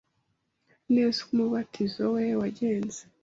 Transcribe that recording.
neza uko umubatizo we wagenze,